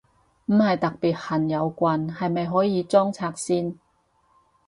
唔係特別恨有棍，係咪可以裝拆先？